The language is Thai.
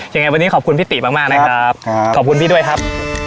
ยังไงวันนี้ขอบคุณพี่ติมากนะครับขอบคุณพี่ด้วยครับ